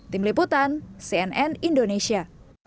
tim liputan cnn indonesia